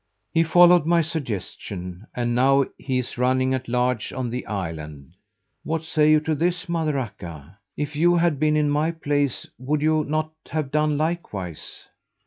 "He followed my suggestion, and now he is running at large on the island. What say you to this, Mother Akka? If you had been in my place, would you not have done likewise?"